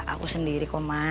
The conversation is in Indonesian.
aku sendiri kok ma